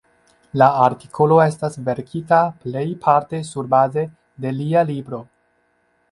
La artikolo estas verkita plejparte surbaze de lia libro.